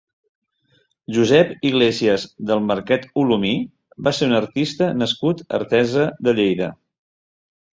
Josep Iglésias del Marquet Olomí va ser un artista nascut a Artesa de Lleida.